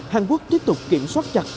hàn quốc tiếp tục kiểm soát chặt